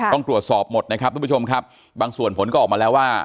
ต้องตรวจสอบหมดนะครับทุกผู้ชมครับบางส่วนผลก็ออกมาแล้วว่า